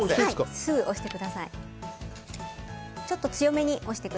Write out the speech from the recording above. すぐ押してください。